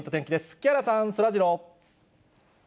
木原さん、そらジロー。